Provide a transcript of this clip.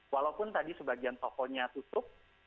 walaupun tadi sebagian tokonya tutup